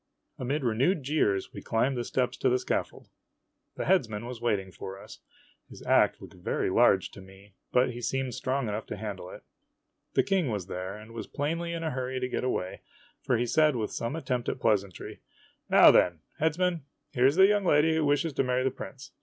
Amid renewed jeers, we climbed the steps to the scaffold. The headsman was waiting for us. His ax looked very large to me, but he seemed strong enough to handle it. The King was there, and was plainly in a hurry to get away, for he said with some at tempt at pleasantry :" Now, then, Headsman, here 's the young lady who wishes to marry the prince.